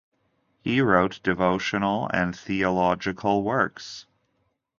He wrote devotional and theological works.